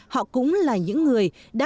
họ cũng là những người đã